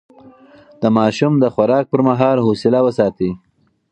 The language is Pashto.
د ماشوم د خوراک پر مهال حوصله وساتئ.